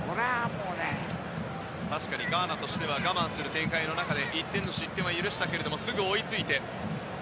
確かにガーナとしては我慢する展開の中で１点の失点は許しましたがすぐ追いついて。